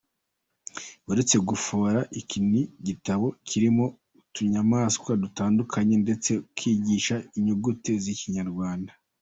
Uretse gufora, iki ni igitabo kirimo utunyamaswa dutandukanye, ndetse kikigisha n’inyuguti z’ikinyarwanda.